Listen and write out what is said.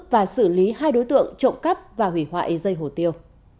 và xử lý hai đối tượng trộm cắp và hủy hoại dây hồ tiêu